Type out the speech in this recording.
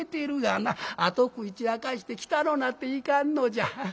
あと食い散らかして汚のうなっていかんのじゃ。